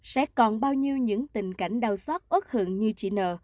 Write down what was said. sẽ còn bao nhiêu những tình cảnh đau xót ớt hưởng như chị n